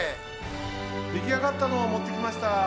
できあがったのをもってきました。